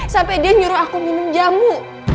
sampai dia nyuruh aku minum jamu